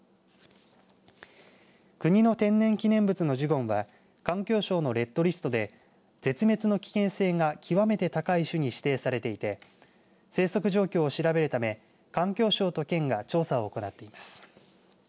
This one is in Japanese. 国の天然記念物のジュゴンは環境省のレッドリストで絶滅の危険性が極めて高い種に指定されていて生息状況を調べるため環境省と県が調査を行っています。